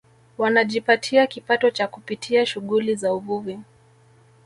Wanajipatia kipato kwa kupitia shughuli za uvuvi